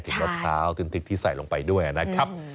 มะพร้าวถึงทิกที่ใส่ลงไปด้วยนะครับ